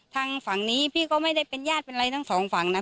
ทางฝั่งนี้พี่ก็ไม่ได้เป็นญาติเป็นอะไรทั้งสองฝั่งนะ